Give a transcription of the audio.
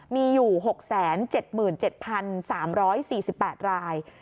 มีอยู่๖๗๗๓๔๘ราย